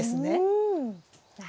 うん。